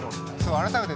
改めて。